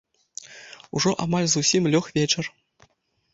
Ужо амаль зусім лёг вечар.